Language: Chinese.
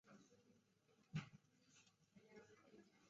墨脱节肢蕨为水龙骨科节肢蕨属下的一个种。